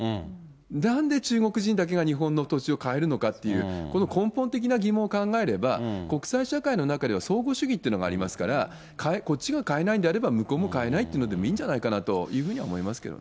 なんで中国人だけが日本の土地を買えるのかっていう、この根本的な疑問を考えれば、国際社会の中では相互主義というのがありますから、こっちが買えないんであれば向こうも買えないというのでもいいんじゃないかなというふうには思いますけどね。